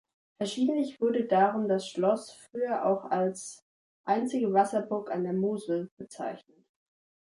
Verschiedentlich wurde darum das Schloss früher auch als "einzige Wasserburg an der Mosel" bezeichnet.